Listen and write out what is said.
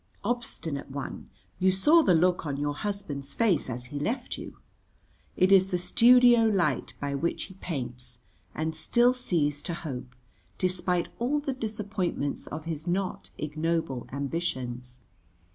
Obstinate one, you saw the look on your husband's face as he left you. It is the studio light by which he paints and still sees to hope, despite all the disappointments of his not ignoble ambitions.